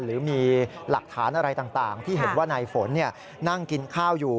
หรือมีหลักฐานอะไรต่างที่เห็นว่าในฝนนั่งกินข้าวอยู่